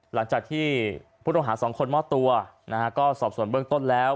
หลังจากที่ผู้ต้องหาสองคนมอบตัวนะฮะก็สอบส่วนเบื้องต้นแล้ว